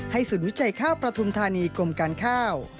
ให้ส่วนวิจัยข้าวประธุมธานีกรมการค้าว